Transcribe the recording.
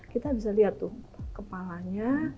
kita bisa lihat tuh kepalanya